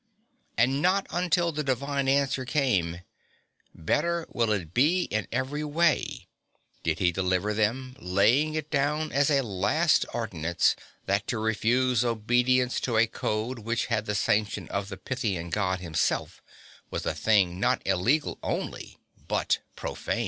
And not until the divine answer came: "Better will it be in every way," did he deliver them, laying it down as a last ordinance that to refuse obedience to a code which had the sanction of the Pythian god himself (8) was a thing not illegal only, but profane.